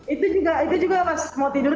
itu juga pas mau tidur tuh kalau saya udah tidur